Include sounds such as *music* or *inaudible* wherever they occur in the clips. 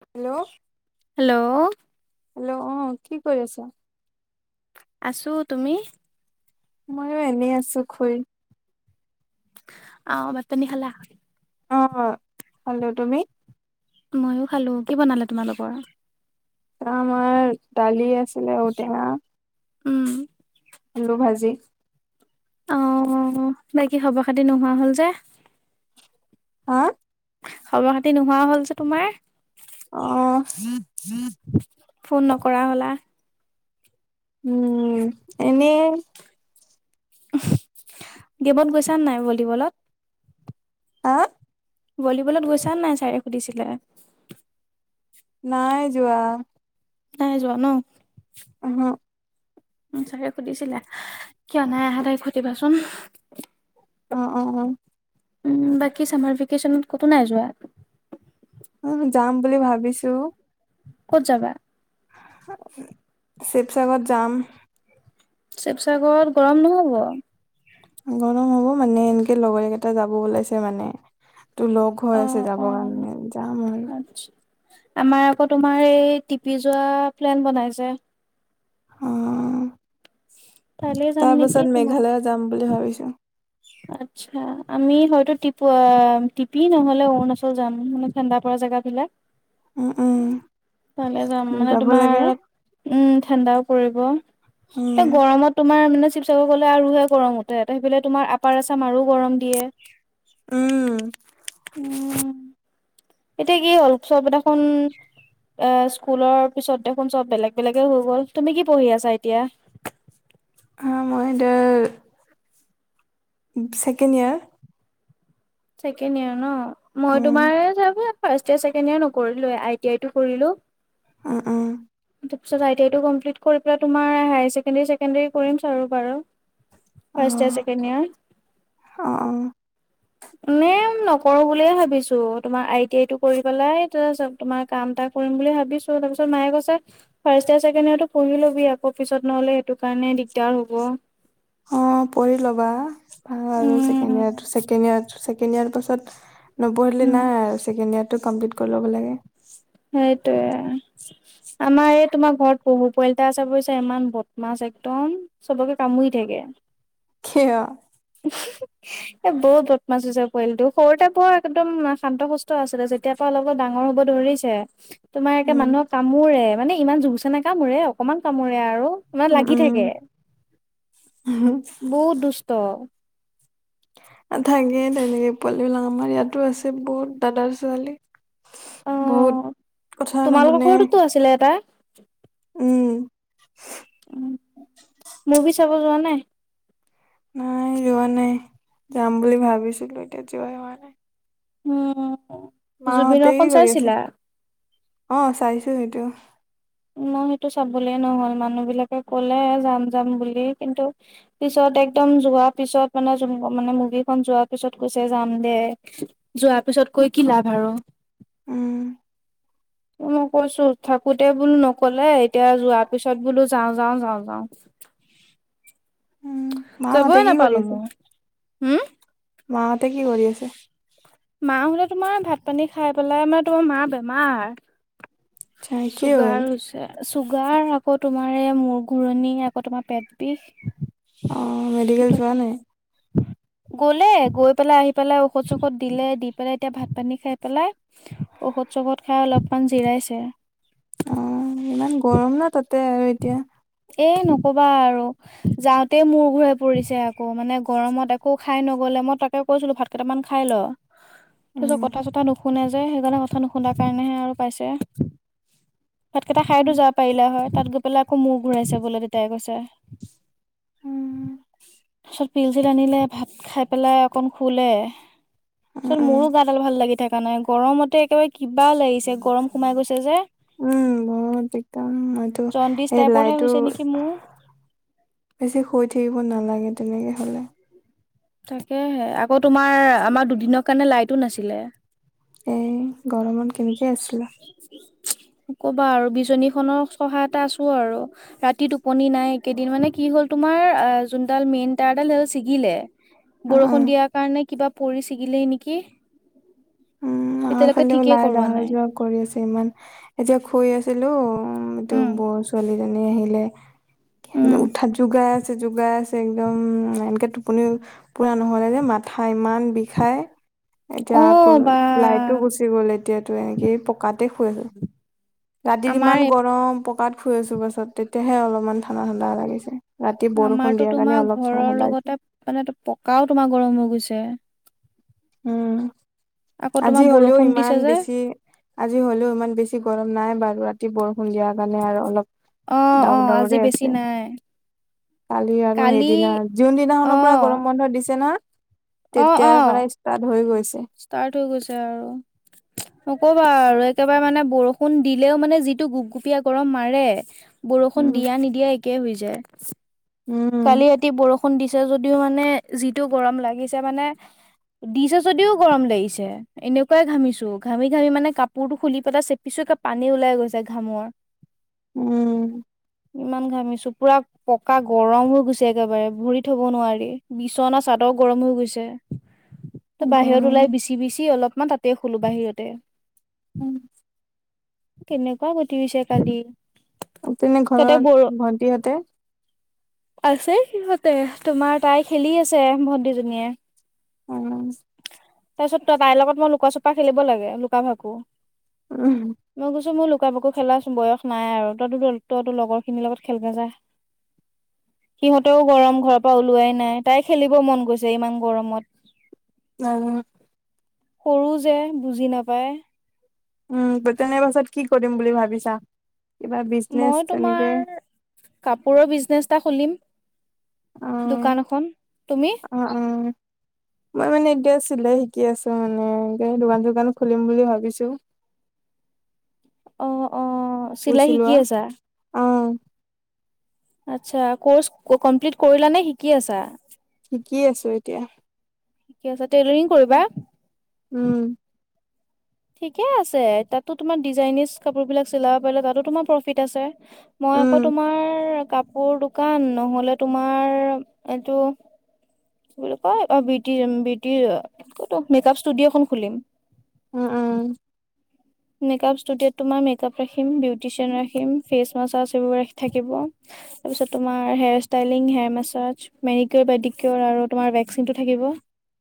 Hello. Hello. Hello অ', কি কৰি আছ? আছো, তুমি? ময়ো এনেই আছো খুই। অ, মাতানি খালা? অ, খালো তুমি? ময়ো খালো, কি বনালে তোমালোকৰ? এ, আমাৰ দালি আছিলে ঔটেঙা উম। আলু ভাজি অ, বাকী খবৰ খাতি নোহোৱা হ'ল যে হা? খবৰ খাতি নোহোৱা হ'ল যে তোমাৰ? আহ, জি, জি ফোন নকৰা হ'লা। উম, এনেই। গেমত গৈছান নাই ভলীবলত। হা? ভলীবলত গৈছা নাই চাৰে সুধিছিলে? নাই যোৱা। নাই যোৱা ন। অহ চাকে সুধিছিলে কিয় নাই আহহ তাই সুধিবাচোন। অ', অ', অ'। উম, বাকী চামাৰ ভেকেশচনত ক'তো নাই যোৱা? অ, যাম বুলি ভাবিছো। ক'ত জাবা? শিৱসাগৰত যাম। শিৱসাগৰত গৰম নহব? গৰম হ'ব মানে এনেকে লগৰ কেইটা যাব ওলাইছে মানে। তটো লগ অ হৈ আছে অ যাবৰ কাৰণে যাম আৰু। আচ্ছা আমাৰ আকৌ তোমাৰ এই টিপি যোৱা প্লেন বনাইছে। উ। কাইলৈ যাম নেকি তোমাৰ? যাম বুলি ভাবিছো অতচা আমি হয়তো টিপ, টিপি নহলে অৰুণাচল যাম মানে ঠাণ্ডা পৰা জেগাবলাক উম উম তালে যাম মানে যাব তোমাৰ লাগে অ, উম। ঠাও পৰি এ, উম গত তমাৰ ম শিৱসাগৰকলে আৰুহে কৰো উতে, সেইফাল তম, আপাৰ আছাম মাৰু গৰম দিয়ে উম উ। এতিয়া কি হ'ল চব এটাখনোন এ, স্কুলৰ পিছত দেখোন চব বেলেগ, বেলেগে হৈ গ'ল তুমি কি পঢ়ি আছা এতিয়া? *inaudible* অ, মই এতিয়া ছেকেণ্ড ইয়াৰ কেড ইয় ন, মই উম তোমাৰ ফাৰয় চছেকয় নকৰিলো। এতিয় এইটো কৰিলো। উ, উ। তাৰপিছতইটিই টোম্লিট কৰি পাই তোমাৰ হাৰ ছেকেডাৰী, ছেকেণ্ডৰী কৰিম চ আৰু বু অ ফাৰষ্টট ইয়াৰ চছেকেণ্ড ইয়াৰ অ অ নে, নকৰো বুলিয়ে ভাবিছো তোমাৰ আই টি আই টো কৰি পেলাই তাৰ তোমাৰ কাম ত কৰিম বুলি ভাবিছো তাৰপিছ মায়ে কছে ফাৰ্ষট ইয়াৰ ছেকেড ইয়াৰ পঢ়ি ল'বি আকৌ পিছত নহ'লে সেইটো কাৰণে দিগদাৰ হ'ব। অ, পঢ়ি ল'বা ভাল আৰুছেকেডয়েয় ছেকেড ইয়াৰ পাছত নপঢ়িলে নাই। ছেকেণ্ড ইয়াৰ কমপ্লিট কৰি ল'ব লাগে। সেইটোৱে। আমাৰ এই তোমাৰ ঘৰত পহু পোৱালি এটা আছে বুইছা, ইমান বদমাছ একদম চবকে কামুৰি থাকে। দিয়ে। কিয়? *inaudible* এ, বৰ বদমাচ হৈছে পোৱালীটো, সৰুতে বৰ একদম শান্ত শুস্থ আছিলে, যেতিয়াৰ পৰা অলপ ডাঙৰ হ'ব ধৰিছে, তোমাৰ একে উম মানুহক কামোৰে, মানে ইমান জুৰচে নেকামোৰে অকনমান কামোৰে আৰু। মানে উম লাগি উম থাকে, বহুত দুষ্ট। থাকে তেনেকে পোৱালি বিলাক, আমাৰ ইয়াতো আছে বহুত দাদাৰ ছোৱালী। অ বহুত কথা তোমালোকৰ নুশুনে। ঘৰতোতো আছিলে এটা উম। উম, মুভি চাব যোৱা নাই? নাই, যোৱা নাই, যাম বুলি ভাবিছিলো, এতিয়া যোৱা হোৱা নাই। উম', মাহঁতে জুবিনৰ কি খন কৰি আছে? চাইছিলা? অ', চাইছো সেইটো। মই সেইটো চাবলে নহ'ল, মানুহ বিলাকে কলে যাম যাম বুলি কিন্তু পিছত একদম যোৱাৰ পিছত মানে মানে মুভি খন যোৱাৰ পিছত কৈছে যাম দে, যোৱাৰ পিছত পিছত কৈ কি লাভ আৰু। উম মই কৈছো, থাকোতে বোলো নকলে, এতিয়া যোৱাৰ পিছত বোলো যাওঁ, যাওঁ, যাওঁ, যাওঁ। *inaudible* উম মাহঁতে যাবই কি কৰি নাপালো আছে? ময়ো, হম'- মাহঁতে কি কৰি আছে? মা হতে তোমাৰ ভাত পানী খাই পেলাই, মানে তোমাৰ মাৰ বেমাৰ। আচ্ছা কি হ'ল? চুগাৰ হৈছে। চুগাৰ, আকৌ তোমাৰ এই মূৰ ঘূুৰণি, আকৌ তোমাৰ পেট বিষ। অ', মেডিকেল সেইটো যোৱা নাই? গলে, গৈ পেলাই আহি পেলাই ঔষধ চষধ দিলে, দি পেলাই এতিয়া ভাত পানী খাই পেলাই ঔষধ, চৌষধ খাই অলপমান জিৰাইছে। অ', ইমান গৰম ন তাতে আৰু এতিয়া এ, নকবা আৰু, যাওঁতেই মূৰ ঘূৰাই পৰিছে, আকৌ মানে গৰমত একো খাই নগল। মই তাকে কৈছিলো ভাত কেইটামান খাই ল, তাৰপিছত উম কথা ছটা নু শুনে যে, সেইকাৰণে কথা নুশুনাৰ কাৰণেহে আৰু পাইছে। ভাতকেইটা খাইতো উম যাব পাৰিলে হয়, তাত গৈ পেলাই আকৌ মূৰ ঘূৰাইছে বোলে দেউতাই কৈছে। উম। তাৰিছত পিলচিল আনিলে, ভাত খাই পেলাই অকণ শুলে, উম পিছত উম মোৰো গাদাল ভাল লাগি থকা নাই, গৰমতে একেবাৰে কিবা লাগিছে, গৰম সোমাই গৈছে যে। উম, বহুত একদম ম জণ্ডিচ এই টাইপৰহে লাইটো হৈছে নেকি মোৰ বেছি শুই থাকিব নালাগে। তেনেকৈ হ'লে তাকেহে, আকৌ তোমাৰ আমাৰ দুদিনৰ কাৰণে লাইটো নাছিলে। এই গৰমত কেনেকে আছিলা। *inaudible* নক'বা আৰু বিছনী খনৰ সহাইত এটা আছো আৰু, ৰাতি টোপনি নাই, একেদিন মানে কি হ'ল তোমাৰ যোনডাল মেইন তাৰডাল, সেইডাল ছিগিলে। অ অ বৰষুণ দিয়াৰ কাৰণে কিবা পৰি ছিগিলেই নেকি। উম', আমাৰ এতিয়ালৈকে ফালে ও ঠিকেই লাইট কৰোৱা অহা নাই। যোৱা কৰি আছে, ইমান এতিয়া শুই আছিলো। উম', বৌ ছোৱালীজনী আহিলে, কি উম, উঠাত যোগাৰ যোগাই আছে একদম, এনেকে টোপনি পুৰা নহলে যে মাথা ইমান বিষাই। এতিয়া আকৌ অ' বা। লাইটো গুচি গ'ল, এতিয়াতো এনেকে পকাতে শুই ললোঁ। ৰাতিত আমাৰ ইমান গৰম, পকাত শুই আছো পাছত, তেতিয়াহে অলপমান ঠাণ্ডা, ঠাণ্ডা লাগিছে। ৰাতি বৰষুণ আমাৰতো দিয়াৰ কাৰণে তোমাৰ অলপ ঠাণ্ডা ঘৰৰ ঠাণ্ডা হৈছে লগতে, মানে পকাও তোমাৰ গৰম হৈ গৈছে। উম, আকৌ আজি তোমাৰ হলেও, বৰষুণ ইমান দিছে যে বেছি আজি হলেও ইমান বেছি গৰম নাই বাৰু ৰাতি বৰষূণ দিয়া কাৰণে আৰু অলপ অ', অ' আজি ডাৱৰ-ডাৱৰেই বেছি আছে। নাই। কালি আৰু সেইদিনা যোন দিনাখনৰ পৰা গৰম বন্ধ দিছে না। গৈছে অ'অ'ষ্টাৰ্ট হৈ গৈছে আৰু ন ক'বা আৰু একেবাৰে মানে বৰষুণ দিলেও মানে যিটো গোপগুপীয়া গৰম মাৰে। বৰষুণ উম, দিয়া নিদিয়া একে হৈ যায় কালি উম, ৰাতি বৰষুণ বৰষুণ দিছে যদিও মানে যিটো গৰম লাগিছে মানে। দিছে যদিওঁ গৰম লাগিছে, এনেকুৱাই ঘামিছো ঘামি-ঘামি মানে কাপোৰতটো খুলি পেলাই চেপিছো। পানী ওলাই গৈছে ঘামৰ। উম, ইমান ঘামিছো পোৰা পকা গৰম হৈ গৈছে, একেবাৰে ভৰি থ'ব নোৱাৰি বিচনা চাদৰ গৰম হৈ গৈছে। তো বাহিৰত গৰম। ওলাই বিচি-বিচি অলপমান তাতে শুলো বাহিৰতে। উম। কেনেকুৱা গতি হৈছে কালি। তেনেই তাতে বৰ ঘৰত ভন্টিহঁতে। আছে সিহঁতে তোমাৰ তাই খেলি আছে, ভণ্টিজনীয়ে। উম। তাৰ পিছত তা-তাইৰ লগত মই লুকা চুপা খেলিব লাগে লুকা ভাকু, উম, মই কৈছোঁ মোৰ লোক কা ভাকু খেলাচোন বয়স নাই আৰু তইতো তোৰ তই তোৰ লগৰ খিনিৰ লগত খেলগে যাৰ। সিহঁতেও গৰম ঘৰৰ পৰা ওলোৱাই নাই, তাই খেলিব মন গৈছে ইমান গৰমত। নাজানো সৰু যে বুজি নাপায়। উম' পৰীক্ষা শেষ হোৱাৰ পিছত কি কৰিম বুলি ভাবিছা? কিবা বিজনেচ মই তেনেকে তোমাৰ কাপোৰৰ ব্ৰিজনেচ এটা খুলিম। অ', দোকান অকন, তুমি? অ', অ', *inaudible* মই মানে এতিয়া চিলাই শিকি আছো মানে এনেকে দোকান-চোকান খুলিম বুলি ভাবিছো। কাপোৰ অ'অ'চিলাই শিকি চিলোৱা। আছা? অ', আচ্ছা, কৰ্চ কমপ্লিট কৰিলা নে শিকি আছা? শিকি আছো এতিয়া। ঠিকে আছে, টেইলেৰিং কৰিবা? উম, ঠিকেই আছে, তাতো তোমাৰ ডিজাইনিজ কাপোৰ বিলাক চিলাব পাৰিলে, তাতো তোমাৰ প্ৰফিট আছে। মই আকৌ উম, তোমাৰ কা পোৰ দোকান নহ'লে তোমাৰ এইটো। কি বুলি কয় বিউটি-বিউটি কতো মেকাপ ষ্টুডিঅ' এখন খুলিম। উম, উম। মেকাঁপ ষ্টুডিঅ'ত তোমাৰ মেকাপ ৰাখিম, বিউটিচিয়ান ৰাখিম, ফেচ মাছাছবোৰ সেইবোৰ ৰা থাকিব। তাৰপিছত তোমাৰ হেয়াৰষ্টাইলিইং হেয়াৰমাচাজ মেৰিকল বাদিকীয়ৰ আৰু তোমাৰ ভেকচিনটো থাকিব।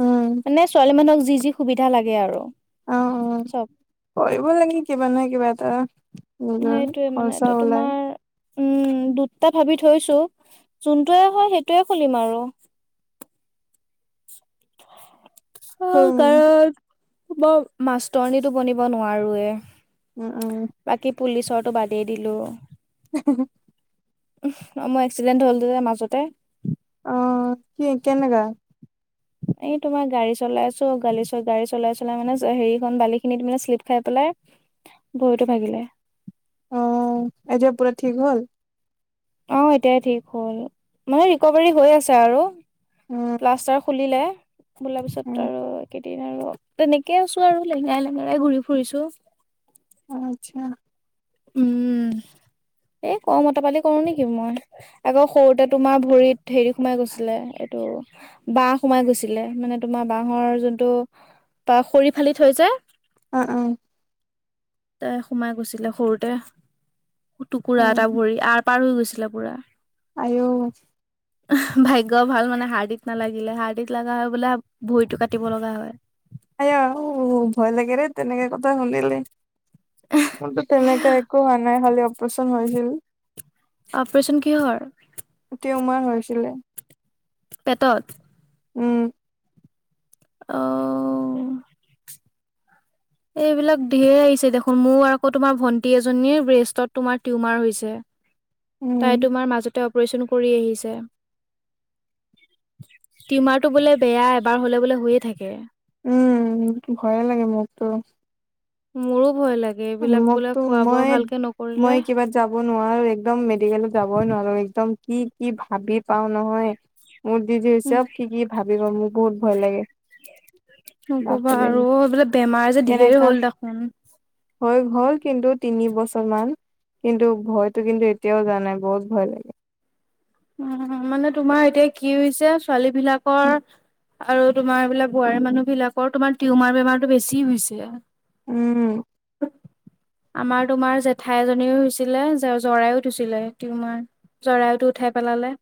উম, মানে ছোৱালী মানুহক যি-যি সুবিধা লাগে আৰু অ', অ', চব। কৰিব লাগে কিবা নহয় কিবা এটা নিজৰ সেইটোৱে মানে খৰচা এতিয়া ওলায়। তোমাৰ উম, দুটা ভাবি থৈছো যোনটোয়ে হয়, সেইটোয়ে খুলিম আৰু। *inaudible* অ' উম। কাৰণ বৰ মাষ্টৰণিতো বনিব নোৱাৰোয়ে। উম, উম। পুলিচৰটো বাদেই দিলোঁ। *inaudible* উম মোৰ এক্সিডেণ্ট হলোঁ যে মাজতে অহ'কি কেনেকা? এই তোমাৰ গাড়ী চলাই আছো গালী চ গাড়ী চলাই-চলাই মানে হেৰিখন বালি খিনিত শ্লিপ খাই পেলাই বহুতো ভাগিলে। অ, এতিয়া পুৰা ঠিক হ'ল। অ, এতিয়াই ঠিক হ'ল মানে ৰিকভাৰী হৈ আছে আৰু। উম প্লাষ্টাৰ খুলিলে বুলাৰ পিছত উম আৰুই আৰু তেনেকে আছো আৰু লেঙৰা, লেঙে ঘূৰি ফুৰিছো। আচ্ছা। উম। এ ক মত পাতি কৰো নেকি মই আকৌ সৰুতে তোমাৰ ভৰিত হেৰি সোমাই গৈছিলে। ত, বাহ সোমাই গৈছিলে মানে তোমাৰ বাহৰ যোনটো বা খৰি ফালি থৈ য অ, উ। তাই সোমাই গৈছিলে সৰুতে টুকুৰা এটা ভৰি আৰু পাৰ হৈ গৈছিলে পুৰা। আঔ ভাগ্য ভাল মানে হাৰ্ডিত নালাগিলে। হাৰ্ডিত লগা হয় বোলে ভৰিতটো কাটিব লগা হয়। আ, ভয় লাগে ৰে তেনেকে কথা শুনিলে। কিন্তু তেনেকৈ একো হোৱা নাই। খালী অপাৰেচন হৈছিল। অপাৰচন কিহৰ? মাৰ হৈছিলে। পেটত উম। অ'। এইবিলাক ধঢেৰ আহিছে দেখোন মোৰ আকৌ তোমাৰ ভন্টি এজনীৰ ব্ৰেষ্টত তোমাৰ টিউমাৰ হৈছে। তাই উম তোমাৰ মাজতে অপাৰচন কৰি আহিছে। টিউমাৰতটো বোলে বেয়া এবাৰ হলে বোলে হয়ে থাকে। উম, ভয়ে লাগে মোকতো। মোৰ উ, মোকতো মই নকৰিলে মই কিবাত যাব নোৱাৰো একদম মেডিকেলত যাবই নোৱাৰো একদম। কি, কি, ভাবি পাও নহয় মোৰ দিদিৰ উম চব কি, কি ভাব মোৰ বহুত ভয় লাগে। নকবা বাপৰে আৰু বোলে বেমাৰ যে ধেৰ কেনেকা হ'ল দেখোন। হৈ হল কিন্তু তিনি বছৰ মান কিন্তু ভয়তো, কিন্তু এতিয়াও যোৱা নাই বহুত ভয় লাগে। উ, মানে তোমাৰ এতিয়া কি হৈছে ছোৱালী বিলাকৰ আৰু তোমাৰ এইবিলাক বোৱাৰীৰ মানুহ বিলাকৰ তোমাৰ টিউমাৰ বেমাৰো বেছি হৈছে। উম। আমাৰ তোমাৰ জেঠাই এজনীও হৈছিলে জৰাইোঠ দিছিলে টিউমাৰ জৰায়টো উঠাই পেলালে।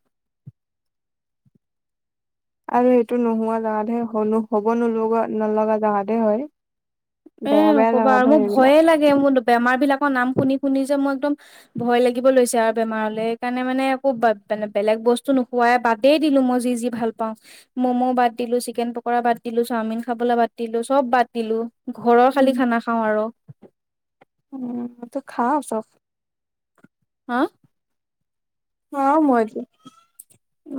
আৰু সেইটো নোহোৱা জাহাতহে হ'ব নলা, নলগা জাহাতহে হয়। উম, বেয়া বেয়া নকবা জাগাত আৰু মোৰ হয় সেইবিলাক ভয়ে লাগে মোৰ। বেমাৰ বিলাকৰ নাম শুনি, শুনি যে মোৰ একদম ভয় লাগিব লৈছে। আৰু বেমাৰলে সেইকাৰণে মানে একো মানে বেলেগ বস্তু নোখোৱাই বাদেই দিলো মই যি, যি, ভাল পাও ম'ম' বাদ দিলো, চিকেন পকৰা বাদ দি তিলো চাওমিন খাবলৈ পাতিলো চব পাতিলো ঘৰৰ খালি উম খানা খাওঁ আৰু। উম, ত খাও চব। হা? অ, মইজ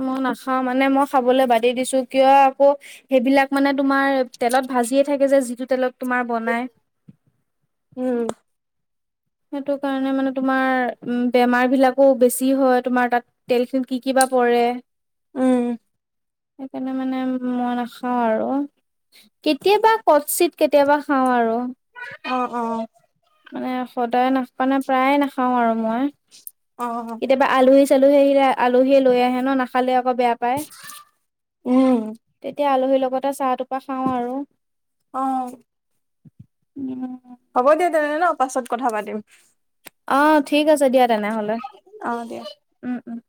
মই নাখাও মানে, মই খাবলৈ বাদেই দিছো কিয় আকৌ সেইবিলাক মানে তোমাৰ তেলত ভাজিয়ে থাকে যে যিটো তেলত তোমাৰ বনাই। উম সেইটো কাৰণে মানে তোমাৰ বেমাৰ বিলাকো বেছি হয়। তোমাৰ তাত তেল খিনিত কি কি বা পৰে। উম সেইকাৰণে মানে মই নাখাও আৰু। কেতিয়াবা কট চিত কেতিয়াবা খাওঁ আৰু। অ অ মানে সদায় নাখ প্ৰায়ে নাখাওঁ আৰু মই। অ কেতিয়াবা আলু আলহী আহিলে আলহীয়ে আলহী লৈ আহে ন, নখালে বেয়া পায়, উম তেতিয়া আলহীৰ লগতে চাহ তোপা খাওঁ আৰু। অ উম হ'ব দিয়া তেনে হ'লে পাছত কথা পাতিম। অ' ঠিক আছে দিয়া তেনেহলে অ দিয়া উম উম।